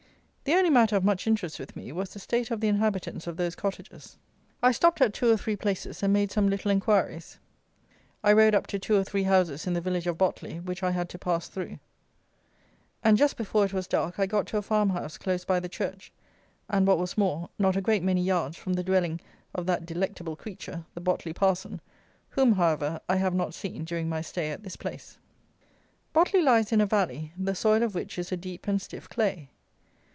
The only matter of much interest with me was the state of the inhabitants of those cottages. I stopped at two or three places, and made some little enquiries; I rode up to two or three houses in the village of Botley, which I had to pass through, and just before it was dark I got to a farmhouse close by the church, and what was more, not a great many yards from the dwelling of that delectable creature, the Botley parson, whom, however, I have not seen during my stay at this place. Botley lies in a valley, the soil of which is a deep and stiff clay.